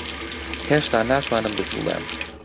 هێشتا ناتوانم بجووڵێم.